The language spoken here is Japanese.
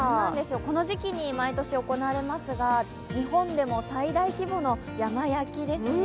この時期に毎年行われますが、日本でも最大規模の山焼きですね。